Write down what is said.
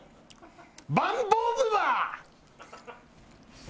バンボーグバ！